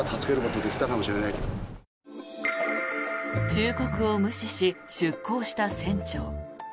忠告を無視し出航した船長。